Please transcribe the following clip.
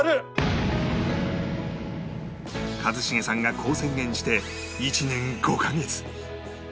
一茂さんがこう宣言して１年５カ月